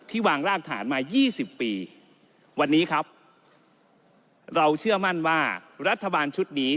วางรากฐานมา๒๐ปีวันนี้ครับเราเชื่อมั่นว่ารัฐบาลชุดนี้